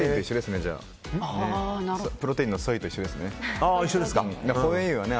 プロテインと一緒ですね。